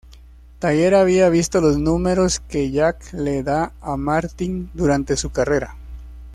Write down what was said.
Teller había visto los números que Jake le da a Martin durante su carrera.